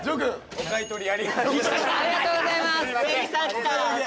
お買い上げありがとうございます。